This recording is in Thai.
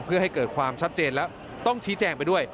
เพื่อให้เกิดความชัดเจนและต้องชี้แจงไปด้วย